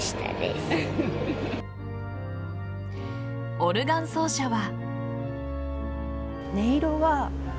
オルガン奏者は。